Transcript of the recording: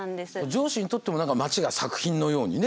城主にとっても町が作品のようにね。